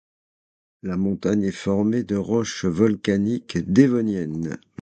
La montagne est formée de roches volcaniques dévoniennes.